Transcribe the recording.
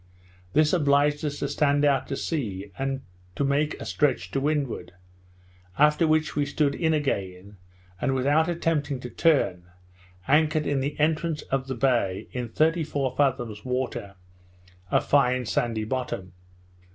This obliged us to stand out to sea, and to make a stretch to windward; after which we stood in again, and without attempting to turn, anchored in the entrance of the bay in thirty four fathoms water, a fine sandy bottom.